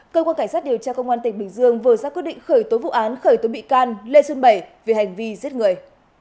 cơ quan cảnh sát điều tra công an tỉnh bình dương vừa ra quyết định khởi tố vụ án khởi tố bị can lê xuân bảy về hành vi giết người